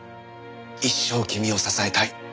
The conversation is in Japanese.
一生君を支えたい。